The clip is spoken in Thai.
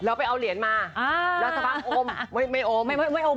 แล้วไปเอาเหรียญมาแล้วพักอม